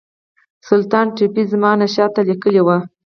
سلطان ټیپو زمانشاه ته لیکلي وه.